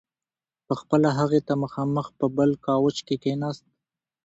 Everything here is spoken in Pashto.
په خپله هغې ته مخامخ په بل کاوچ کې کښېناست.